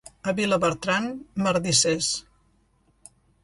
A Vilabertran, merdissers.